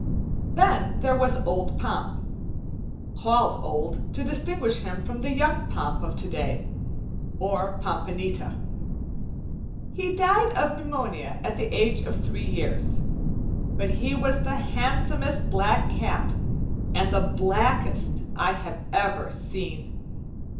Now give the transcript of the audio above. Then there was old Pomp, called "old" to distinguish him from the young Pomp of to day, or "Pompanita." He died of pneumonia at the age of three years; but he was the handsomest black cat and the blackest I have ever seen.